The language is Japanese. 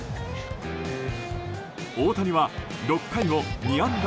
大谷は６回を２安打